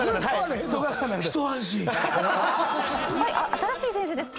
新しい先生です。